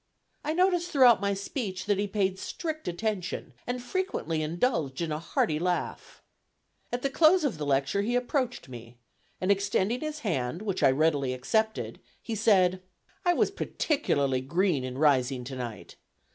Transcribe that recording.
I noticed throughout my speech that he paid strict attention, and frequently indulged in a hearty laugh. At the close of the lecture he approached me, and extending his hand, which I readily accepted, he said, "I was particularly green in rising to night.